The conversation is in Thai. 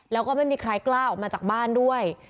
แล้วก็ไม่มีใครกล้าออกมาจากบ้านด้วย